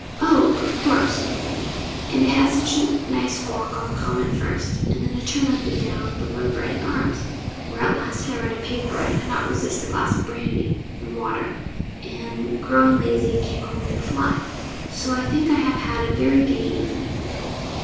'Oh! of course; and I had such a nice walk on the common first, and then a turn up and down before the 'Brandon Arms,' where at last I read a paper, and could not resist a glass of brandy and water, and, growing lazy, came home in a 'fly,' so I think I have had a very gay evening.